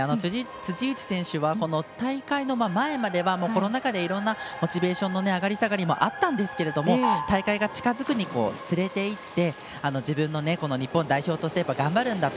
辻内選手は大会の前まではコロナ禍で、いろんなモチベーションの上がり下がりもあったんですけれども大会が近づくにつれていって日本代表として頑張るんだと。